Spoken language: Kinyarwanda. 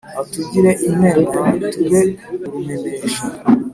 atugire imena tube urumenesha